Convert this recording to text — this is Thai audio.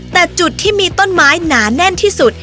แต่จุดที่มีต้นไม้หนาแน่นที่สุด